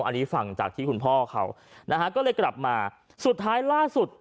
อันนี้ฝั่งจากที่คุณพ่อเขานะฮะก็เลยกลับมาสุดท้ายล่าสุด